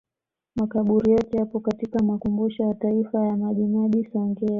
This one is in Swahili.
Makaburi yote yapo katika Makumbusho ya Taifa ya Majimaji Songea